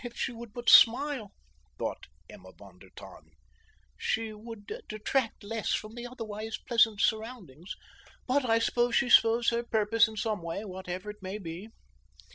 "If she would but smile," thought Emma von der Tann, "she would detract less from the otherwise pleasant surroundings, but I suppose she serves her purpose in some way, whatever it may be."